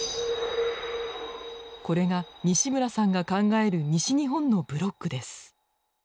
これが西村さんが考える西日本のブロックです。